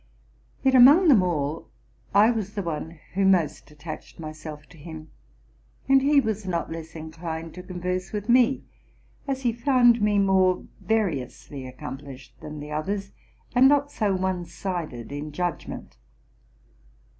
Yet among them all I was the one who most at tached myself to him; and he was not less inclined to con verse with me, as he found me more variously accomplished than the others, and not so one sided in judgment.